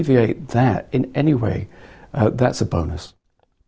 dan tentu saja jika kita bisa memperlembabkan itu dengan cara apa pun